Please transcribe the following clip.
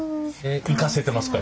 生かせてますか？